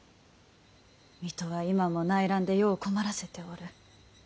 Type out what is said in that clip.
水戸は今も内乱で世を困らせておる。